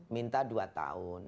kita berikan dua tahun